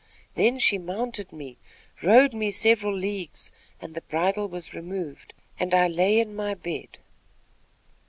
Then she mounted me, rode me several leagues and the bridle was removed, and I lay in my bed."